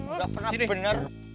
enggak pernah benar